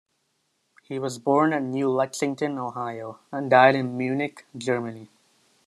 He was born at New Lexington, Ohio, and died in Munich, Germany.